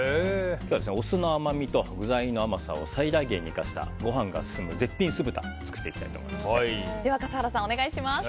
今日はお酢の甘みと具材の甘さを最大限に生かしたご飯が進む絶品酢豚をでは笠原さんお願いします。